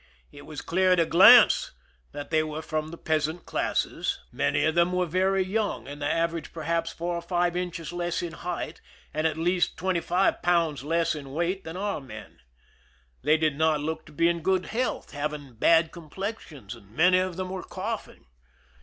It was clear at a glance that they were from the peasant classes. Many of them were 168 IMPRISONMENT IN MORRO CASTLE very young, and they averaged perhaps four or five inches less in height and at least twenty five pounds less in weight than our men. They did not look to be in good health, having bad com plexions, and many of them were coughing.